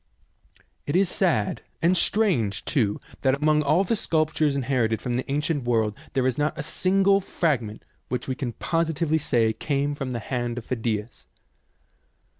It is sad, and strange too, that among all the sculptures inherited from the ancient world there is not a single fragment which we can positively say came from the hand of Phidias.